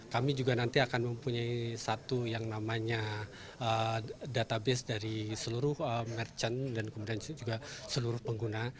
kami juga nanti akan mempunyai satu yang namanya database dari seluruh merchant dan kemudian juga seluruh pengguna